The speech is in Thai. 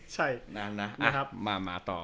เต้นนานมาต่อ